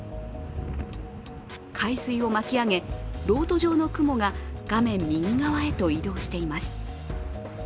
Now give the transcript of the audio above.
海水を巻き上げ、ろうと状の雲が画面右側へと移動しています。